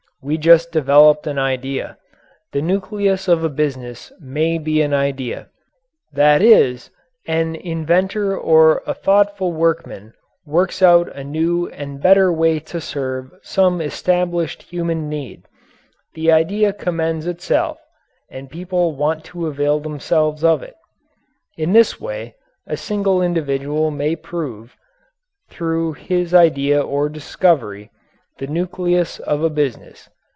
We just developed an idea. The nucleus of a business may be an idea. That is, an inventor or a thoughtful workman works out a new and better way to serve some established human need; the idea commends itself, and people want to avail themselves of it. In this way a single individual may prove, through his idea or discovery, the nucleus of a business.